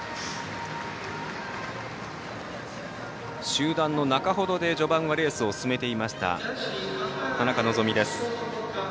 集団の中ほどで序盤はレースを進めていました田中希実です。